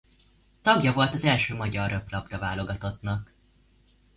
Tagja volt az első magyar röplabda-válogatottnak.